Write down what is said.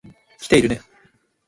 来ているね。